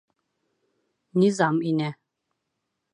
Низам инә.